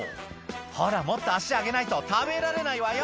「ほらもっと足上げないと食べられないわよ」